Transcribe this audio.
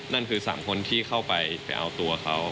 นั่นคือ๓คนที่เข้าไปเอาตัวเขา